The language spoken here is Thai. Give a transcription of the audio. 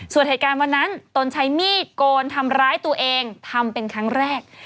ส่วนเหตุการณ์วันนั้นตนใช้มีดโกนทำร้ายตัวเองทำเป็นครั้งแรก